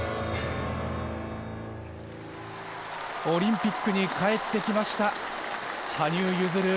オリンピックに帰ってきました、羽生結弦。